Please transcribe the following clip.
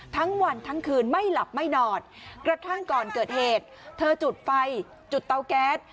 ทั้งวันทั้งคืนไม่หลับไม่นอนกระทั่งก่อนเกิดเหตุเธอจุดไฟจุดเตาแก๊ส